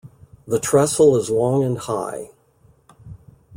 The trestle is long and high.